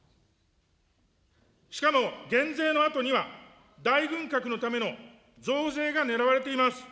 しかも減税のあとには大軍拡のための増税が狙われています。